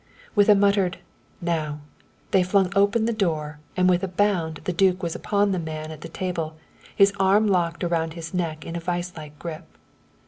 With a muttered "now," they flung open the door, and with a bound the duke was upon the man at the table, his arm locked around his neck in a vice like grip.